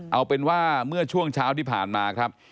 เอาเป็นว่าเมื่อช่วงเช้าที่ผ่านมาครับ